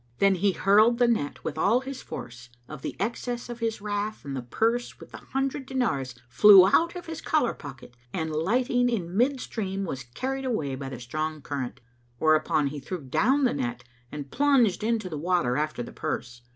[FN#212] Then he hurled the net with all his force, of the excess of his wrath and the purse with the hundred dinars flew out of his collar pocket and, lighting in mid stream, was carried away by the strong current; whereupon he threw down the net and plunged into the water after the purse.